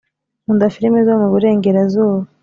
nkunda firime zo muburengerazuba.